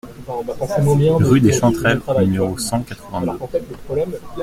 Rue des Chanterelles au numéro cent quatre-vingt-deux